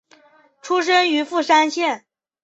出身于富山县。